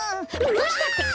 どうしたってか？